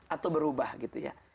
atau berubah gitu ya